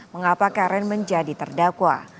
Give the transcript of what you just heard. mengapa karen menjadi terdakwa